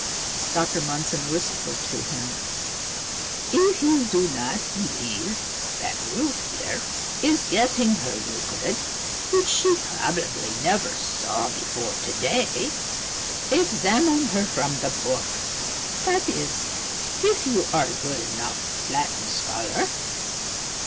Dr. Mundson whispered to him: "If you do not believe that Ruth here is getting her Euclid, which she probably never saw before to day, examine her from the book; that is, if you are a good enough Latin scholar."